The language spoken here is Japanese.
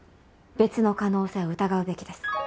別の可能性を疑うべきです。